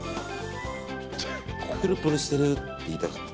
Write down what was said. プルプルしてるって言いたかった。